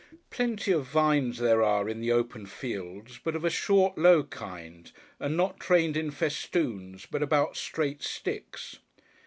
Plenty of vines there are in the open fields, but of a short low kind, and not trained in festoons, but about straight sticks.